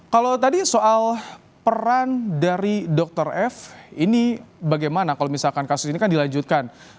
kalau tadi soal peran dari dokter f ini bagaimana kalau misalkan kasus ini kan dilanjutkan